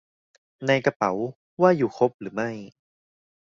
ในกระเป๋าว่าอยู่ครบหรือไม่